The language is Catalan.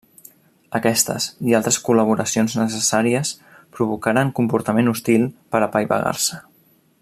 Aquestes i altres col·laboracions necessàries provocaren comportament hostil per apaivagar-se.